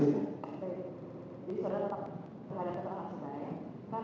baik keterangan dari rizky kutip